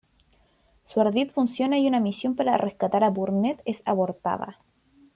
Su ardid funciona y una misión para rescatar a "Burnett" es abortada.